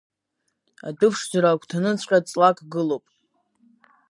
Адәыԥшӡара агәҭаныҵәҟа ҵлак гылоп.